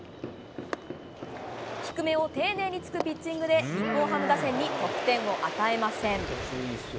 低めを丁寧に突くピッチングで日本ハムに得点を与えません。